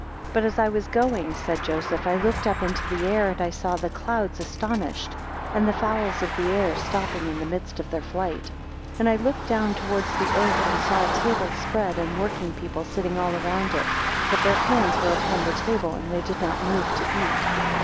2 But as I was going (said Joseph), I looked up into the air, and I saw the clouds astonished, and the fowls of the air stopping in the midst of their flight. 3 And I looked down towards the earth, and saw a table spread, and working people sitting around it, but their hands were upon the table and they did not move to eat.